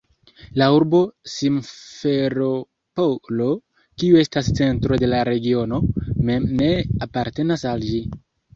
La urbo Simferopolo, kiu estas centro de la regiono, mem ne apartenas al ĝi.